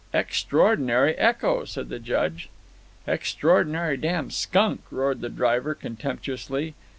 "Extraordinary echo," said the Judge. "Extraordinary damned skunk!" roared the driver, contemptuously.